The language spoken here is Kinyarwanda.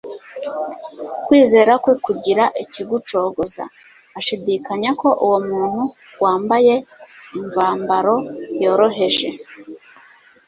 Kwizera kwe kugira ikigucogoza. Ashidikanya ko uwo muntu wambaye imvambaro yoroheje,